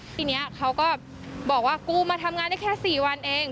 ทีนี้เขาก็บอกว่ากูมาทำงานได้แค่๔วันเอง